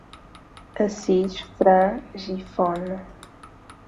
Assis Fran Gifone